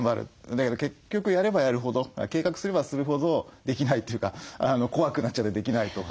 だけど結局やればやるほど計画すればするほどできないというか怖くなっちゃってできないとか。